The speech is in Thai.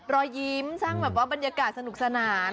รอยยิ้มสร้างแบบว่าบรรยากาศสนุกสนาน